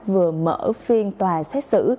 vừa mở phiên tòa xét xử